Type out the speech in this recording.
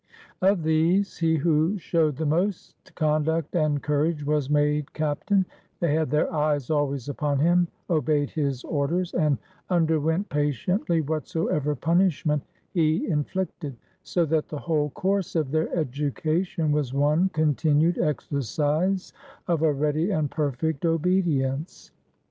Of these, he who showed the most conduct and courage was made captain; they had their eyes always upon him, obeyed his orders, and un derwent patiently whatsoever punishment he inflicted, so that the whole course of their education was one con tinued exercise of a ready and perfect obedience.